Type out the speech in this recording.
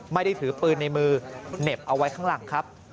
ไม่ได้ถือปืนในมือเหน็บเอาไว้ข้างหลังครับ